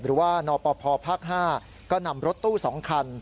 หรือว่านปภภาค๕ก็นำรถตู้๒คัน